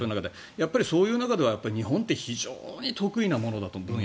そういう中では日本って非常に得意な部分だと。